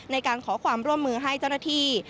ในการขอความร่วมมือให้เจ้าหน้าที่